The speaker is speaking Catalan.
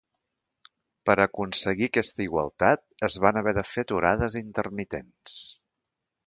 Per aconseguir aquesta igualtat es van haver de fer aturades intermitents.